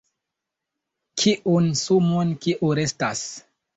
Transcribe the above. Kiun sumon kiu restas??